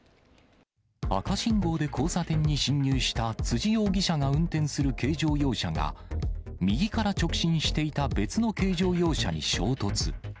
赤信号で交差点に進入した辻容疑者が運転する軽乗用車が、右から直進していた別の軽乗用車に衝突。